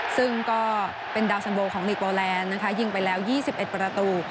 ซึ่งก็เป็นดาวสันโบของลีกโปแลนด์นะคะยิงไปแล้ว๒๑ประตู